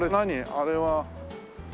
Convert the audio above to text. あれは。